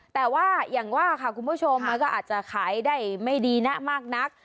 แต่ว่าอย่างว่าค่ะคุณผู้ชมมันก็อาจจะขายได้ไม่ดีนะมากนัก